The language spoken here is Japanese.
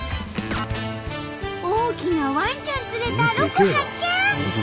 大きなワンちゃん連れたロコ発見！